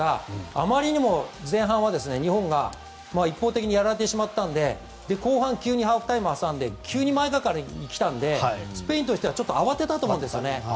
あまりにも前半は日本が一方的にやられてしまったので後半、ハーフタイムを挟んで急に前がかりにきたのでスペインとしては慌てたと思うんですよね。